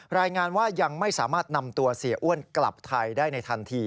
รายงานว่ายังไม่สามารถนำตัวเสียอ้วนกลับไทยได้ในทันที